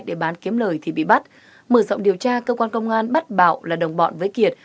để bán kiếm lời thì bị bắt mở rộng điều tra cơ quan công an bắt bạo là đồng bọn với kiệt